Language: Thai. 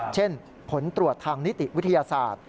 เช่นผลตรวจทางนิติวิทยาศาสตร์